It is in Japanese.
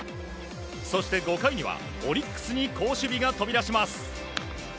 そして、５回にはオリックスに好守備が飛び出します。